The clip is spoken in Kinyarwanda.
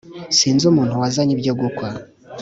Sinzi umuntu wazanye ibyo gukwa